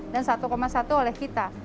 dan satu satu oleh kita